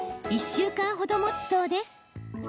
１週間ほど、もつそうです。